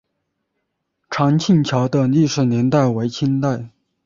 长庆桥的历史年代为清代。